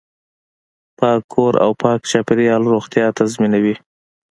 پاک کور او پاک چاپیریال روغتیا تضمینوي.